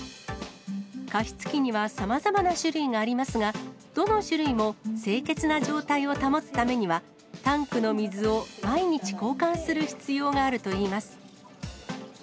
加湿器にはさまざまな種類がありますが、どの種類も清潔な状態を保つためには、タンクの水を毎日交換する必要があるといいます。